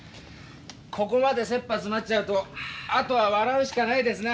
ここまでせっぱ詰まっちゃうとあとは笑うしかないですな。